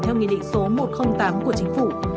theo nghị định số một trăm linh tám của chính phủ